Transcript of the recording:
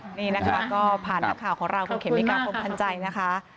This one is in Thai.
นี่แล้วก็ผ่านให้ข่าวของเราคุณเขมมิกราบผมพันใจนะคะ